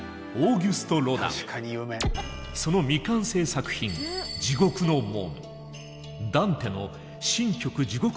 その未完成作品「地獄の門」。